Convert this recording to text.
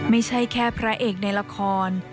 ไม่ใช่แค่พระเอกในละคร